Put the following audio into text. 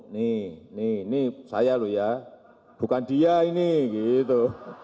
nih ini saya loh ya bukan dia ini gitu